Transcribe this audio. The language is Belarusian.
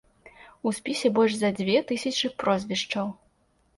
У спісе больш за дзве тысячы прозвішчаў.